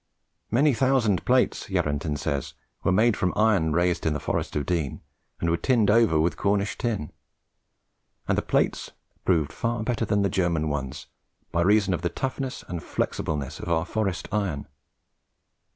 "Many thousand plates," Yarranton says, "were made from iron raised in the Forest of Dean, and were tinned over with Cornish tin; and the plates proved far better than the German ones, by reason of the toughness and flexibleness of our forest iron.